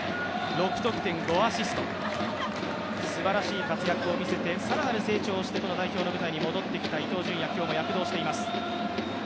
６得点５アシスト、すばらしい活躍を見せて更なる成長をしてこの日本代表の舞台に戻ってきた伊東純也、今日も躍動しています。